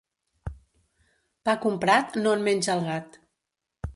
Pa comprat, no en menja el gat.